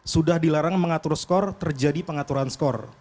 sudah dilarang mengatur skor terjadi pengaturan skor